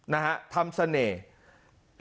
นะฮะทำเสน่ห์